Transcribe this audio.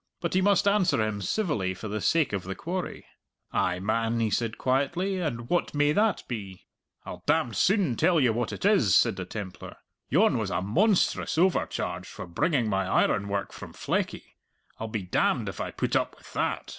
But he must answer him civilly for the sake of the quarry. "Ay, man," he said quietly, "and what may that be?" "I'll damned soon tell you what it is," said the Templar. "Yon was a monstrous overcharge for bringing my ironwork from Fleckie. I'll be damned if I put up with that!"